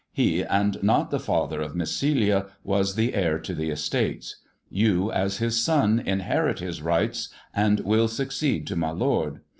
He, and not the father of Miss Celia, was the heir to the estates. You, as his son, inherit his rights, and will succeed to my lord.